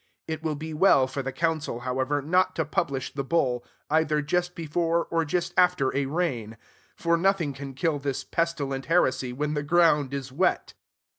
It will be well for the council, however, not to publish the bull either just before or just after a rain; for nothing can kill this pestilent heresy when the ground is wet.